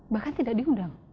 bahkan tidak diundang